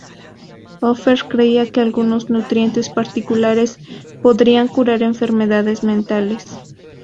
Hoffer creía que algunos nutrientes particulares podían curar enfermedades mentales.